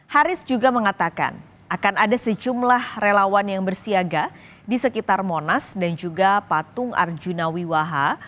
haris juga mengatakan akan ada sejumlah relawan yang bersiaga di sekitar monas dan juga patung arjuna wiwaha